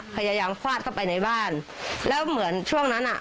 พยายามฟาดเข้าไปในบ้านแล้วเหมือนช่วงนั้นอ่ะ